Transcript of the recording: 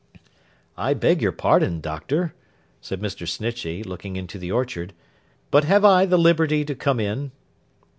'I beg your pardon, Doctor,' said Mr. Snitchey, looking into the orchard, 'but have I liberty to come in?